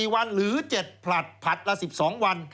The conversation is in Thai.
๔วันหรือ๗ผลัดผลัดละ๑๒วัน